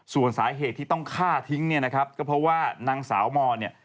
ส่วนสาเหตุที่ต้องฆ่าทิ้งก็เพราะว่านางสาวหมอนี่